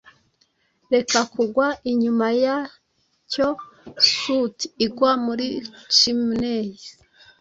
Reka kugwa inyuma yacyo soot igwa muri chimneys